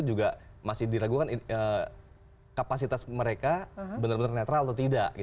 juga masih diragukan kapasitas mereka benar benar netral atau tidak